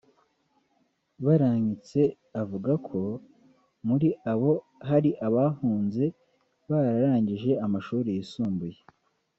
Barankitse avuga ko muri abo hari abahunze bararangije amashuri yisumbuye